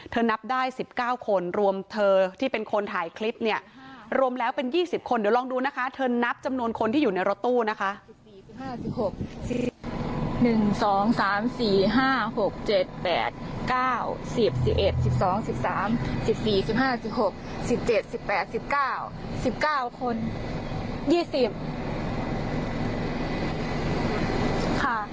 นับได้๑๙คนรวมเธอที่เป็นคนถ่ายคลิปเนี่ยรวมแล้วเป็น๒๐คนเดี๋ยวลองดูนะคะเธอนับจำนวนคนที่อยู่ในรถตู้นะคะ